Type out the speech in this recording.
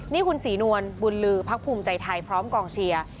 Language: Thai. นี่คุณศรีนวลบุญลือพักภูมิใจไทยพร้อมกองเชียร์